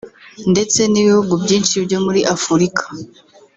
ndetse n’ibihugu byinshi byo muri Afurika